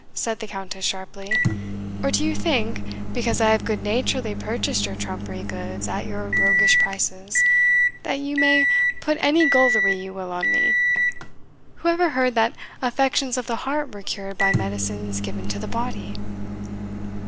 said the Countess sharply; "or do you think, because I have good naturedly purchased your trumpery goods at your roguish prices, that you may put any gullery you will on me? Who ever heard that affections of the heart were cured by medicines given to the body?"